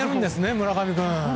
村上君。